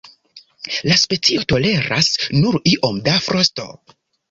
La specio toleras nur iom da frosto.